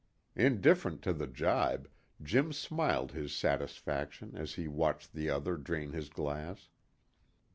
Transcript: Indifferent to the gibe, Jim smiled his satisfaction as he watched the other drain his glass.